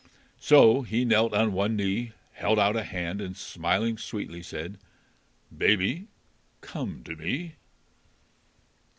So he knelt on one knee, held out a hand, and smiling sweetly, said, "Baby, come to me!"